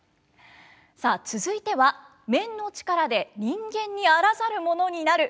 さあ続いては面の力で人間にあらざるものになる